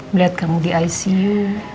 melihat kamu di icu